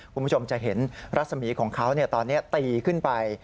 คุณผู้ชมจะเห็นรัศมีของเขาตอนนี้ตีขึ้นไป